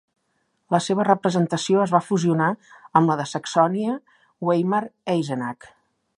La seva representació es va fusionar amb la de Saxònia-Weimar-Eisenach.